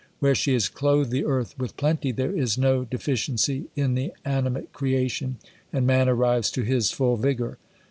Where she has clothed the earth with plenty, there is no de ficiency in the animate creation ; and man arrives to his full vigour.